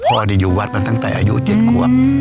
พ่ออยู่วัดมาตั้งแต่อายุ๗ครัว